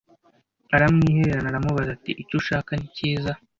aramwihererana aramubaza ati icyo ushaka nikiza